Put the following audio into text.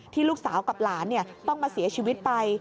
ลูกสาวกับหลานต้องมาเสียชีวิตไป